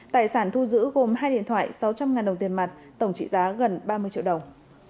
tài sản thu giữ gồm hai điện thoại sáu trăm linh đồng tiền mặt tổng trị giá gần ba mươi triệu đồng